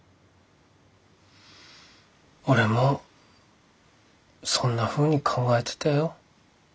俺もそんなふうに考えてたよ。